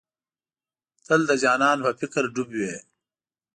تل د جانان په فکر ډوب وې.